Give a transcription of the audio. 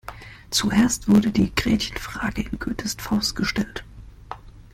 Zuerst wurde die Gretchenfrage in Goethes Faust gestellt.